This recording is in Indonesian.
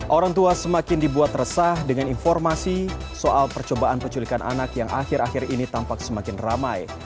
orang tua semakin dibuat resah dengan informasi soal percobaan penculikan anak yang akhir akhir ini tampak semakin ramai